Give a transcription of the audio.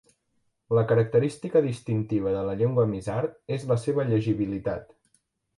La característica distintiva de la llengua Mizar és la seva llegibilitat.